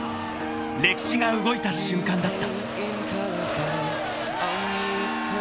［歴史が動いた瞬間だった］